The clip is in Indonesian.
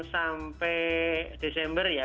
sampai desember ya